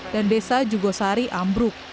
dan desa jugosari ambruk